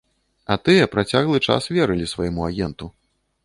А тыя працяглы час верылі свайму агенту.